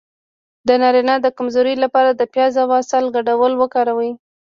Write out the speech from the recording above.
د نارینه د کمزوری لپاره د پیاز او عسل ګډول وکاروئ